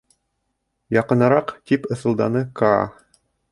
— Яҡыныраҡ... — тип ыҫылданы Каа.